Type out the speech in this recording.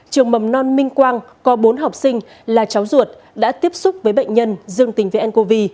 trường mầm non minh quang có bốn học sinh là cháu ruột đã tiếp xúc với bệnh nhân dương tính với ncov